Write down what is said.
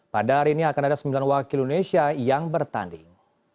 pada hari ini akan ada sembilan wakil indonesia yang bertanding